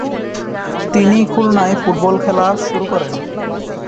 তিনি খুলনায় ফুটবল খেলা শুরু করেন।